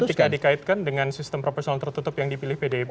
ketika dikaitkan dengan sistem profesional tertutup yang dipilih pdip